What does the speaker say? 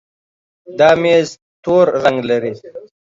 دا ميز تور رنګ لري.